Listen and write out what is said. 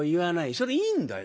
それいいんだよ。